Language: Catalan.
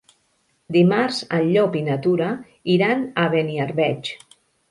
Dimarts en Llop i na Tura iran a Beniarbeig.